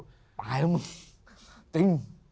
ก็ตายเนี่ยครับผมจริง